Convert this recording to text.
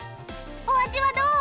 お味はどう？